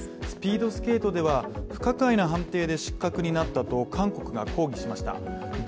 スピードスケートでは不可解な判定で失格になったと韓国が抗議しました。